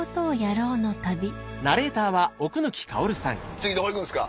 次どこ行くんすか？